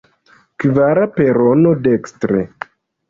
Kvara perono, dekstre.